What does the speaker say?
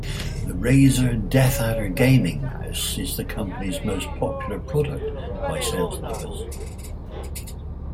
The Razer DeathAdder gaming mouse is the company's most popular product by sales numbers.